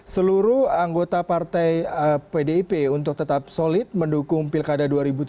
seluruh anggota partai pdip untuk tetap solid mendukung pilkada dua ribu tujuh belas